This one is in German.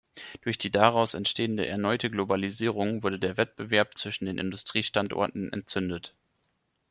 Durch die daraus entstehende erneute Globalisierung wurde der Wettbewerb zwischen den Industriestandorten entzündet.